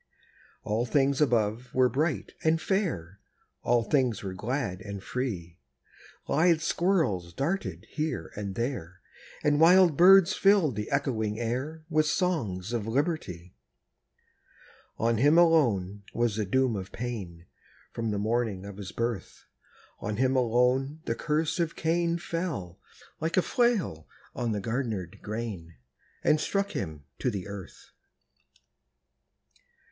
All things above were bright and fair, All things were glad and free; Lithe squirrels darted here and there, And wild birds filled the echoing air With songs of Liberty! On him alone was the doom of pain, From the morning of his birth; On him alone the curse of Cain Fell, like a flail on the garnered grain, And struck him to the earth!